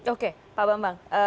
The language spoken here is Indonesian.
oke pak bambang